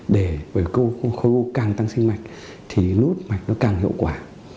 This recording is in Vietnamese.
để với cái khối u càng tăng sinh mạch thì nút mạch nó càng hiệu quả